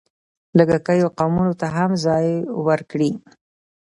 لږکیو قومونو ته هم ځای ورکړی.